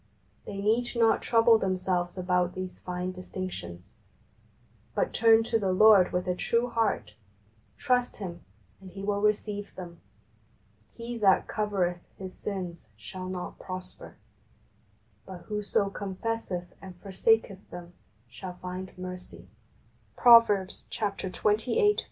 They need not trouble them selves about these fine distinctions, but turn to the Lord with a true heart, trust Him, and He will receive them. " He that covereth his sins shall not prosper ; but whoso confesseth and forsaketh them shall find mercy" {Prov. xxviii. 13).